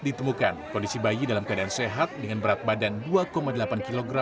ditemukan kondisi bayi dalam keadaan sehat dengan berat badan dua delapan kg